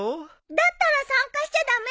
だったら参加しちゃ駄目。